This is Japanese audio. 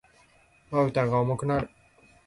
瞼が重くなる。